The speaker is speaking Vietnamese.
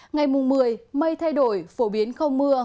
ngày mùng một mươi mây thay đổi phổ biến không mưa